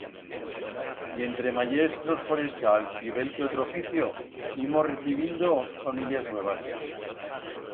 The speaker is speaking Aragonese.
Y entre mayestros, forestals y bel que otro oficio, imos recibindo familias nuevas.